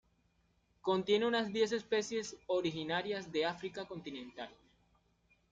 Contiene unas diez especies originarias de África continental.